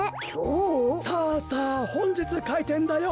さあさあほんじつかいてんだよ。